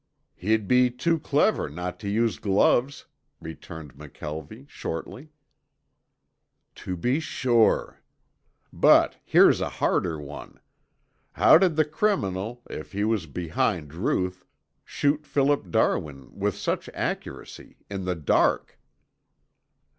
"He'd be too clever not to use gloves," returned McKelvie shortly. "To be sure. But here's a harder one. How did the criminal, if he was behind Ruth, shoot Philip Darwin with such accuracy in the dark?"